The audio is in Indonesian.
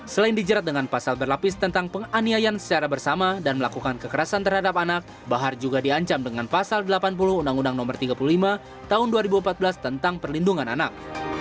selain dijerat dengan pasal berlapis tentang penganiayaan secara bersama dan melakukan kekerasan terhadap anak bahar juga diancam dengan pasal delapan puluh undang undang no tiga puluh lima tahun dua ribu empat belas tentang perlindungan anak